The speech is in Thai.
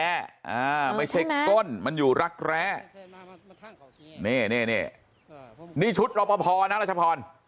อ่าไม่ใช่ต้นมันอยู่รักแร้นี่นี่นี่นี่ชุดเราพอนะล่ะชะพร